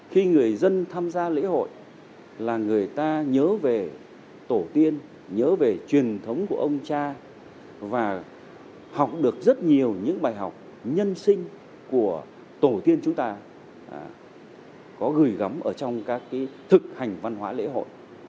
khi người dân tham gia lễ hội là người ta nhớ về tổ tiên nhớ về truyền thống của ông cha và học được rất nhiều những bài học nhân sinh của tổ tiên chúng ta có gửi gắm ở trong các thực hành văn hóa lễ hội